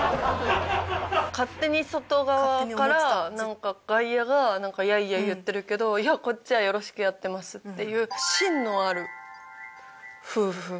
勝手に外側から外野がやいやい言ってるけど「いやこっちはよろしくやってます」っていう芯のある夫婦。